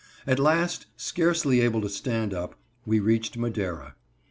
] At last, scarcely able to stand up, we reached Madera.